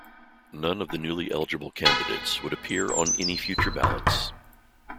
None of the newly-eligible candidates would appear on any future ballots.